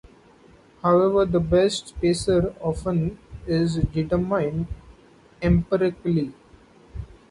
However the best spacer often is determined empirically.